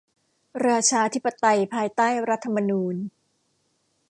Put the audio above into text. ราชาธิปไตยภายใต้รัฐธรรมนูญ